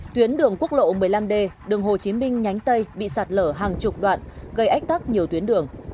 tuyến đường quốc lộ một mươi năm d đường hồ chí minh nhánh tây bị sạt lở hàng chục đoạn gây ách tắc nhiều tuyến đường